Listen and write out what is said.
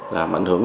làm ảnh hưởng